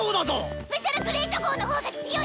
スペシャルグレート号の方が強い！